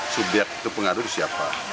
subyek itu pengadu siapa